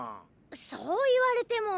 そう言われても。